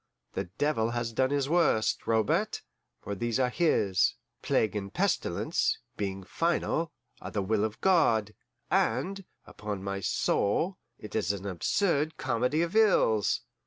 The devil has done his worst, Robert, for these are his plague and pestilence, being final, are the will of God and, upon my soul, it is an absurd comedy of ills!"